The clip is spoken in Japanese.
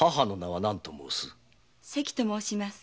「せき」と申します。